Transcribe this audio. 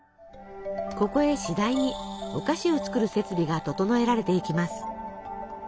ここへしだいにお菓子を作る設備が整えられていきます。